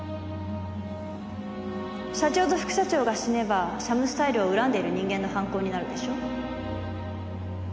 社長と副社長が死ねばシャムスタイルを恨んでいる人間の犯行になるでしょ？